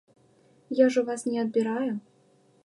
Я ж у вас не адбіраю.